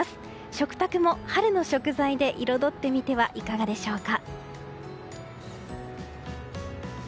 食卓も春の食材で彩ってみてはいかがでしょうか。